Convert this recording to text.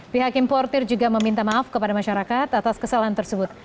pihak importer juga meminta maaf kepada masyarakat atas kesalahan tersebut